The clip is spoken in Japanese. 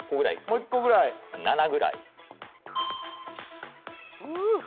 ・もう一個ぐらい７ぐらいフーッ！